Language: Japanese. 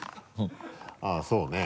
あっそうね。